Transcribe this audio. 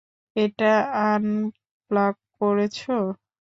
এটা আনপ্লাগ করেছ?